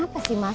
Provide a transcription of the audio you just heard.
kenapa sih mas